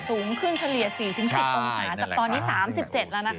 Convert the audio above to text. สูงขึ้นเฉลี่ย๔๑๐องศาจากตอนนี้๓๗แล้วนะคะ